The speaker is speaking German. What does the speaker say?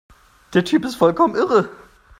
Der Typ ist vollkommen irre